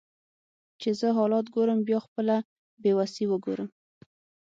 چې زه حالات ګورم بیا خپله بیوسي وګورم